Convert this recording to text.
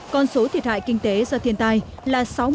con số thiệt hại kinh tế do thiên tai là